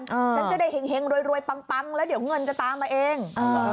ฉันจะได้เห็งรวยปังแล้วเดี๋ยวเงินจะตามมาเอง